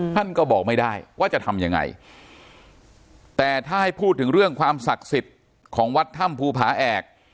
ท่านก็บอกไม่ได้ว่าจะทำยังไงแต่ถ้าให้พูดถึงเรื่องความศักดิ์สิทธิ์ของวัดถ้ำภูผาแอก